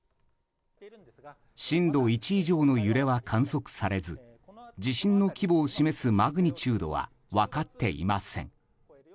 震度１以上の揺れは観測されず地震の規模を示すマグニチュードは分かっていません。